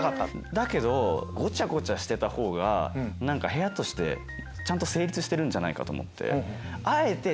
だけどごちゃごちゃしてたほうが部屋としてちゃんと成立してるんじゃないかと思って。